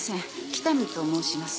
北見と申します。